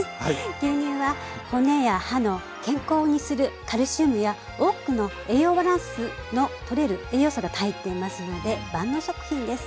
牛乳は骨や歯を健康にするカルシウムや多くの栄養バランスの取れる栄養素が入っていますので万能食品です。